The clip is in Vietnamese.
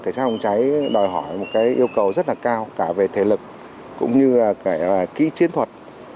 cảnh sát phòng cháy đòi hỏi một yêu cầu rất là cao cả về thể lực cũng như là kỹ chiến thuật